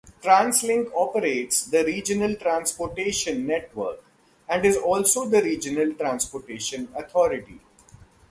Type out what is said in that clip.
TransLink operates the regional transportation network and is also the regional transportation authority.